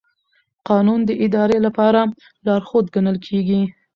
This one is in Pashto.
قانون د ادارې لپاره لارښود ګڼل کېږي.